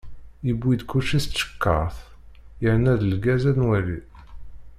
Yewwi-d kulci s tcekkart, yerna-d lgaz ad nwali.